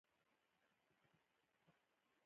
د ننګرهار د زیتون باغونه چا جوړ کړل؟